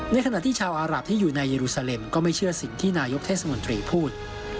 ขณะที่ชาวอารับที่อยู่ในเยรูซาเลมก็ไม่เชื่อสิ่งที่นายกเทศมนตรีพูด